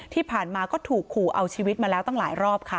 ที่ผ่านมาก็ถูกขู่เอาชีวิตมาแล้วตั้งหลายรอบค่ะ